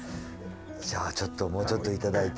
じゃあちょっともうちょっと頂いて。